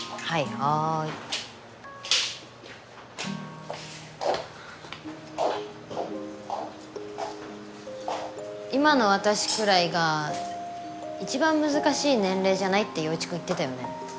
はい今の私くらいが一番難しい年齢じゃない？って洋一くん言ってたよね